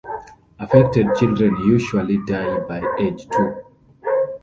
Affected children usually die by age two.